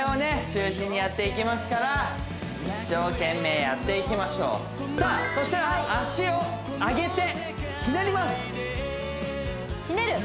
中心にやっていきますから一生懸命やっていきましょうさあそしたら脚を上げてひねりますひねる